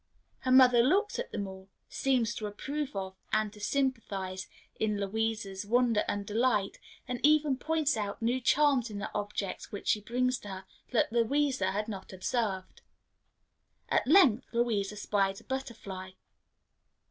Her mother looks at them all, seems to approve of, and to sympathize in, Louisa's wonder and delight, and even points out new charms in the objects which she brings to her, that Louisa had not observed. At length Louisa spied a butterfly.